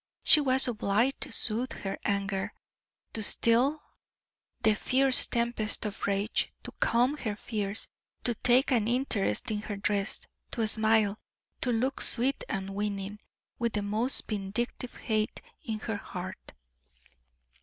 She was obliged to soothe her anger, to still the fierce tempest of rage, to calm her fears, to take an interest in her dress, to smile, to look sweet and winning, with the most vindictive hate in her heart.